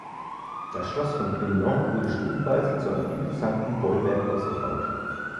Das Schloss von Grignan wurde stufenweise zu einem imposanten Bollwerk ausgebaut.